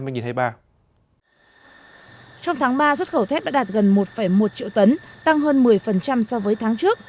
trong tháng ba xuất khẩu thép đã đạt gần một một triệu tấn tăng hơn một mươi so với tháng trước